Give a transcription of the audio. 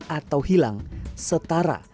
atau hilang setara